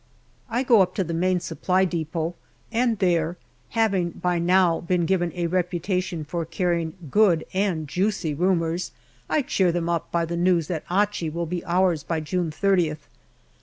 I go up to the Main Supply depot, and there, having by now been given a reputation for carrying good and juicy rumours, I cheer them up by the news that Achi will be ours by June 3oth.